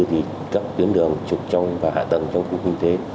thì các tuyến đường trục trong và hạ tầng trong khu kinh tế